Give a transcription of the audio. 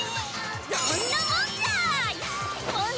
どんなもんじゃい！